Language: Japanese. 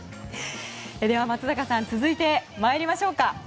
では、松坂さん続いて参りましょうか。